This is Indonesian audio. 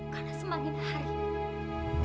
karena semakin hari